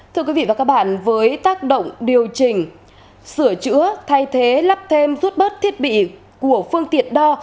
thưa quý vị và các bạn với tác động điều chỉnh sửa chữa thay thế lắp thêm rút bớt thiết bị của phương tiện đo